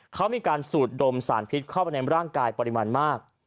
เขามีการสูดดมสารพิษเข้าไปในร่างกายปริมาณมาก